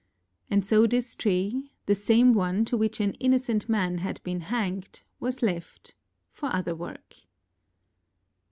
And so this tree, the same one to which an innocent man had been hanged, was left for other work.